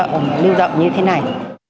còn lưu động như thế này